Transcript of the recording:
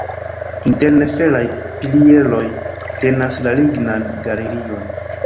Interne feraj pilieroj tenas la lignan galerion.